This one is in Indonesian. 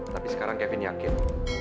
tapi sekarang kevin yakin